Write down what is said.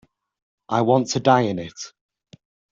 I want to die in it.